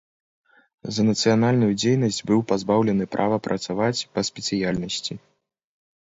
За нацыянальную дзейнасць быў пазбаўлены права працаваць па спецыяльнасці.